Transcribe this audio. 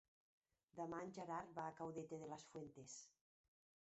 Demà en Gerard va a Caudete de las Fuentes.